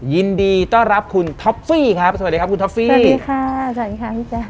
ยินดีต้อนรับคุณท็อฟฟี่ครับสวัสดีครับคุณท็อฟฟี่สวัสดีค่ะสวัสดีค่ะพี่แจ๊ค